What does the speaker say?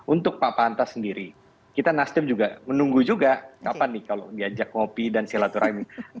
untuk pak pantas sendiri kita nasdem juga menunggu juga kapan nih kalau diajak ngopi dan silaturahmi